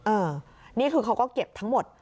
นี่คือเขาก็เก็บทั้งหมด